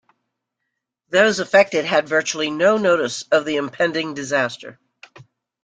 Those affected had virtually no notice of the impending disaster.